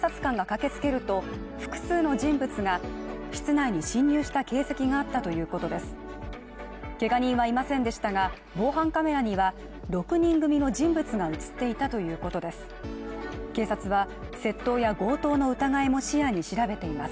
けが人はいませんでしたが防犯カメラには、６人組の人物が映っていたということです。